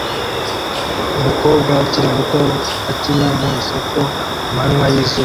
Umukobwa ukiri muto akina mu isoko ku manywa y'izuba